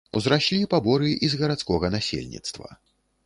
Узраслі паборы і з гарадскога насельніцтва.